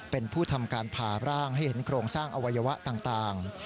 เป็นผู้ทำการผ่าร่างให้เห็นโครงสร้างอวัยวะต่าง